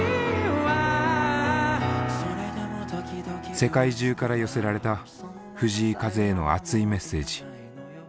世界中から寄せられた藤井風への熱いメッセージ。